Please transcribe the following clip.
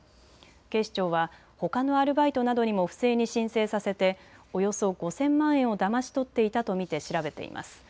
警視庁はほかのアルバイトなどにも不正に申請させておよそ５０００万円をだまし取っていたと見て調べています。